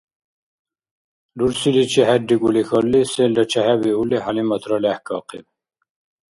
Рурсиличи хӀеррикӀулихьали селра чехӀебиули ХӀялиматра лехӀкахъиб.